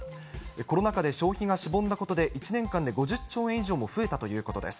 コロナ禍で消費がしぼんだことで１年間で５０兆円以上も増えたということです。